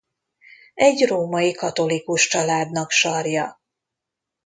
Egy római katolikus családnak sarja.